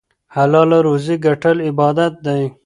حلاله روزي ګټل عبادت دی.